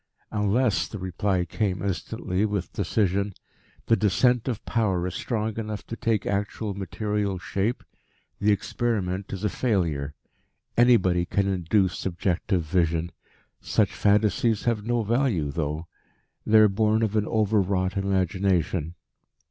"Unless," the reply came instantly with decision, "the descent of Power is strong enough to take actual material shape, the experiment is a failure. Anybody can induce subjective vision. Such fantasies have no value though. They are born of an overwrought imagination."